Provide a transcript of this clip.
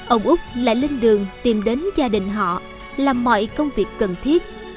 ông úc lại lên đường tìm đến gia đình họ làm mọi công việc cần thiết